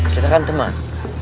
kita kan teman